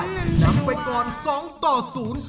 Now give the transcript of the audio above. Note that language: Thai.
นำไปก่อน๒๐